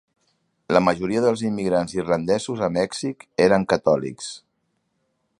La majoria dels immigrants irlandesos a Mèxic eren catòlics.